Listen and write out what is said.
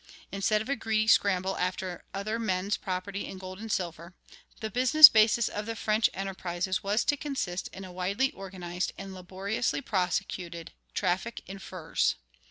Instead of a greedy scramble after other men's property in gold and silver, the business basis of the French enterprises was to consist in a widely organized and laboriously prosecuted traffic in furs.